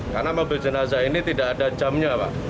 karena mobil jenazah ini tidak ada jamnya pak